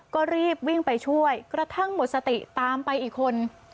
ก็รีบวิ่งไปช่วยกระทั่งหมดสติตามไปอีกคน